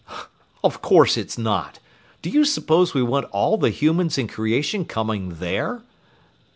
Of course it's not. Do you suppose we want all the humans in creation coming there?"